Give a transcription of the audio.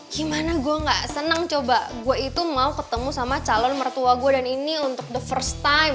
gimana gue gak seneng coba gue itu mau ketemu sama calon mertua gue dan ini untuk the first time